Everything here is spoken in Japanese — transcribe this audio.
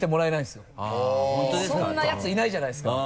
そんなやついないじゃないですか。